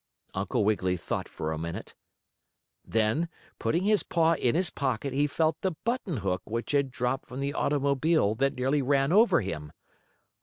Uncle Wiggily thought for a minute. Then, putting his paw in his pocket, he felt the button hook which had dropped from the automobile that nearly ran over him.